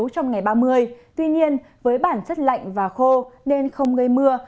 trong ngày ba mươi tuy nhiên với bản chất lạnh và khô nên không gây mưa